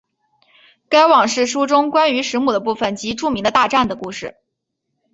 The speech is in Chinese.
该往世书中关于时母的部分即著名的大战的故事。